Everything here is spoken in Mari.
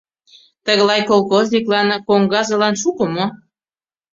Тыглай колхозниклан, коҥгазылан шуко мо?